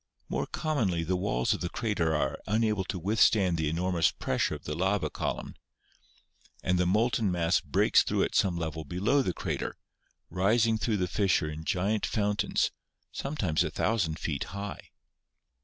More commonly the walls of the crater are unable to withstand the enormous pressure of the lava column, and the molten mass breaks through at some level below the crater, rising through the fissure in giant fountains, sometimes 1,000 feet high.